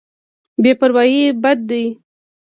بې پرواهي بد دی.